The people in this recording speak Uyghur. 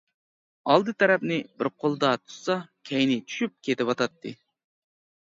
ئالدى تەرەپنى بىر قولىدا تۇتسا كەينى چۈشۈپ كېتىۋاتاتتى.